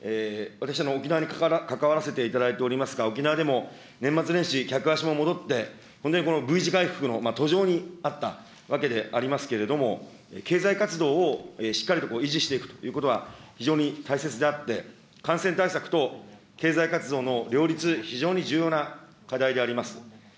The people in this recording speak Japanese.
私、沖縄に関わらせていただいておりますが、沖縄でも、年末年始、客足も戻って、それでＶ字回復の途上にあったわけでありますけれども、経済活動をしっかりと維持していくということは、非常に大切であって、感染対策と経済活動の両立、非常に重要な課題であります。